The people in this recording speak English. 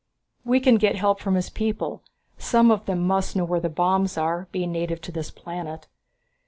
We can get help from his people. Some of them must know where the bombs are, being native to this planet."